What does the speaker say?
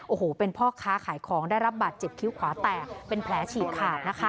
โอ้โหเป็นพ่อค้าขายของได้รับบาดเจ็บคิ้วขวาแตกเป็นแผลฉีกขาดนะคะ